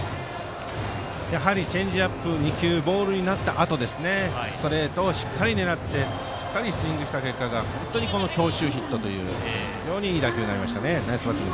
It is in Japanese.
チェンジアップ２球がボールになったあとのストレートをしっかり狙ってしっかりスイングした結果が本当に強襲ヒットという非常にいい打球になりました。